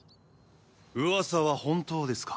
噂は本当ですか？